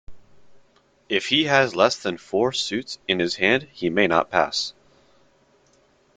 If he has less than four suits in his hand, he may not pass.